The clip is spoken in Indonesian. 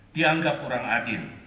dianggap kurang adil